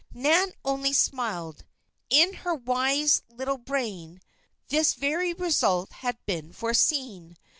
Nan only smiled. In her wise little brain this very result had been foreseen.